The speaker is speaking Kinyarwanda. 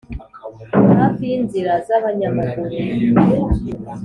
hafi y’inzira z’abanyamaguru